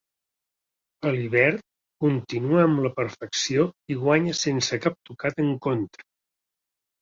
Alibert continua amb la perfecció i guanya sense cap tocat en contra.